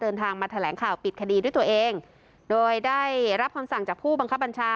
เดินทางมาแถลงข่าวปิดคดีด้วยตัวเองโดยได้รับคำสั่งจากผู้บังคับบัญชา